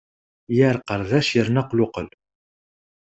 Yar qardac yerna aqluqel.